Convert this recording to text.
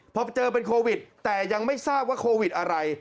พอเจอเป็นโควิดแต่ยังไม่ทราบว่าโควิดอะไร